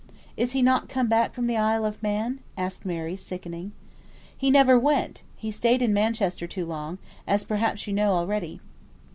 "Is he not come back from the Isle of Man?" asked Mary, sickening. "He never went; he stayed in Manchester too long; as perhaps you know, already."